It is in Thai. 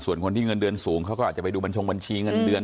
ส่วนคนที่เงินเดือนสูงเขาก็อาจจะไปดูบัญชงบัญชีเงินเดือน